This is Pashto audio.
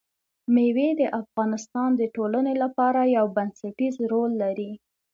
مېوې د افغانستان د ټولنې لپاره یو بنسټيز رول لري.